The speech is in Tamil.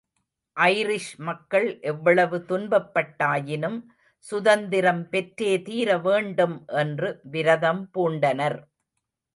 ஐரிஷ் மக்கள் எவ்வளவு துன்பப்பட்டாயினும் சுதந்திரம் பெற்றே தீரவேண்டும் என்று விரதம் பூண்டனர்.